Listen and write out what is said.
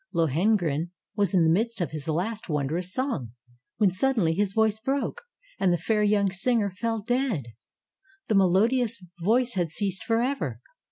Lo hengrin was in the midst of his last wondrous song, when suddenly his voice broke, and the fair young singer fell dead. The melodious voice had ceased forever.